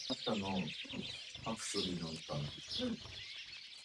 On the positive side, advertising can help businesses gain exposure and increase their revenue.